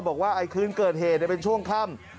บอกว่าคืนเกิดเหตุเป็นช่วงค่ำ